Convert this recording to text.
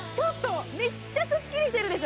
めっちゃすっきりしてるでしょ？